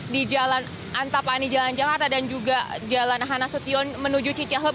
di jalan antapani jalan jakarta dan juga jalan hanasution menuju cicehom